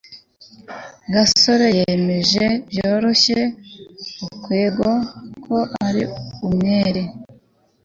gasore yemeje byoroshye gakwego ko ari umwere